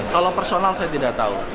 kalau personal saya tidak tahu